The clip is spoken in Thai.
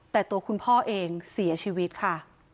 แต่ตัวคุณพ่อเองเสียชีวิตค่ะ